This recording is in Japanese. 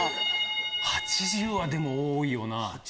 ８０はでも多いよな。